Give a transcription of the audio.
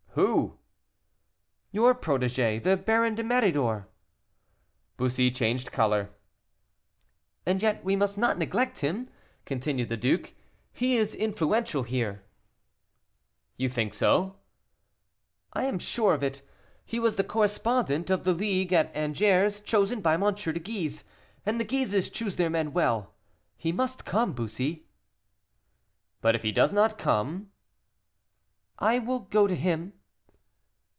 "Who?" "Your protege, the Baron de Méridor." Bussy changed color. "And yet we must not neglect him," continued the duke, "he is influential here." "You think so?" "I am sure of it. He was the correspondent of the League at Angers, chosen by M. de Guise, and the Guises choose their men well. He must come, Bussy." "But if he does not come?" "I will go to him."